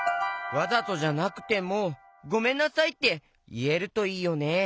わざとじゃなくても「ごめんなさい」っていえるといいよね。